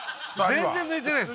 全然抜いてないです